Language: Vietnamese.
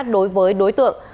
đối với đối tượng